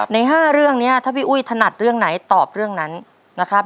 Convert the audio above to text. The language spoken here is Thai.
ใน๕เรื่องนี้ถ้าพี่อุ้ยถนัดเรื่องไหนตอบเรื่องนั้นนะครับ